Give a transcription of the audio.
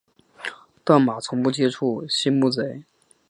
但马从不接触溪木贼。